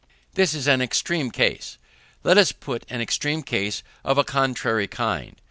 This is an extreme case. Let us put an extreme case of a contrary kind.